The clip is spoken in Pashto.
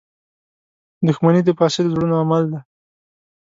• دښمني د فاسدو زړونو عمل دی.